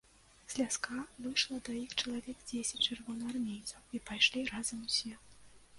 З ляска выйшла да іх чалавек дзесяць чырвонаармейцаў і пайшлі разам усе.